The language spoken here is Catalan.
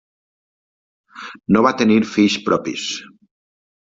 No va tenir fills propis.